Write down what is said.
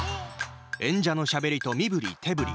演者のしゃべりと身振り手振り。